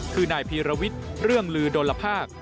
คือนายพีรวิทย์เรื่องลือดลภาค